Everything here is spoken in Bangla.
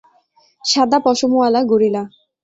সাদা পশমওয়ালা গরিলা!